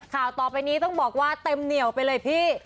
ข่าวต่อไปนี้ต้องบอกว่าเต็มเหนียวไปเลยพี่